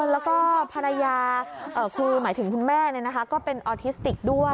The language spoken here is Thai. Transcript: แล้วก็ภรรยาคุณแม่ก็เป็นออร์ทิสติกด้วย